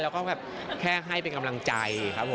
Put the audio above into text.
เราก็แค่ให้เป็นกำลังใจครับผม